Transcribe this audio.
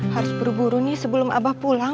harus buru buru nih sebelum abah pulang